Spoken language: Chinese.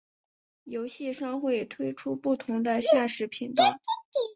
游戏商会推出不同的限时频道。